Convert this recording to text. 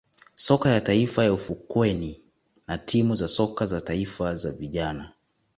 soka ya taifa ya ufukweni na timu za soka za taifa za vijana